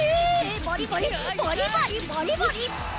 バリバリバリバリバリバリ！